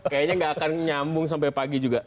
kayaknya nggak akan nyambung sampai pagi juga